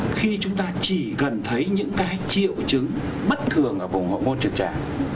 khi chúng ta chỉ cần thấy những triệu chứng bất thường ở vùng hộp môn trực trạng